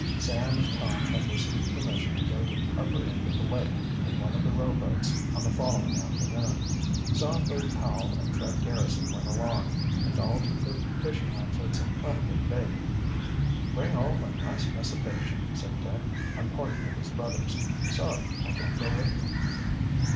Sam and Tom had received permission to go to the upper end of the lake in one of the rowboats on the following afternoon. Songbird Powell and Fred Garrison went along, and all took their fishing outfits and plenty of bait. "Bring home a nice mess of fish," said Dick, on parting with his brothers. "Sorry I can't go with you."